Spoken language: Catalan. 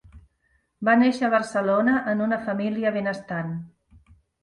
Va néixer a Barcelona en una família benestant.